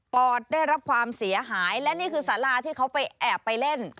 อดได้รับความเสียหายและนี่คือสาราที่เขาไปแอบไปเล่น